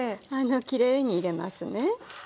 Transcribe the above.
きれいに入れますね。